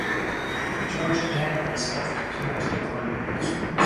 He toured Japan but his health continued to decline.